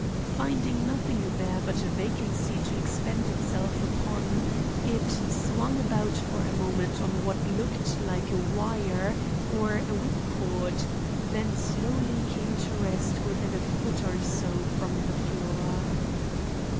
Finding nothing there but vacancy to expend itself upon, it swung about for a moment on what looked like a wire or a whip cord, then slowly came to rest within a foot or so from the floor.